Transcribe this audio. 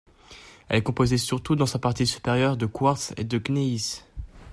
Elle est composée surtout dans sa partie supérieure de quartz et de gneiss.